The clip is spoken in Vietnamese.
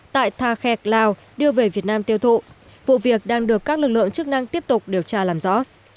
tại tha khẹc lào đưa về việt nam tiêu thụ vụ việc đang được các lực lượng chức năng tiếp tục điều tra làm rõ